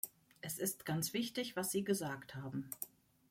Es ist ganz wichtig, was Sie gesagt haben.